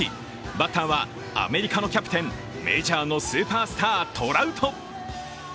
バッターはアメリカのキャプテン、メジャーのスーパースター・トラウト。